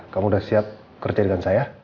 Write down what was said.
kamu sudah siap kerja dengan saya